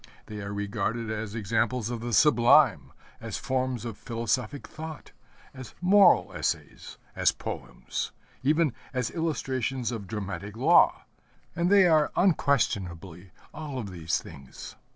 They are regarded as examples of the sublime, as forms of philosophic thought, as moral essays, as poems, even as illustrations of dramatic law, and they are unquestionably all of these things.